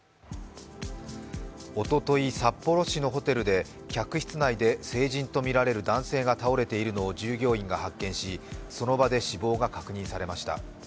おととい、札幌市のホテルで客室内で成人とみられる男性が倒れているのを従業員が発見しその場で死亡が確認されました。